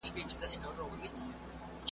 زموږ په رنګ درته راوړي څوک خوراکونه؟ ,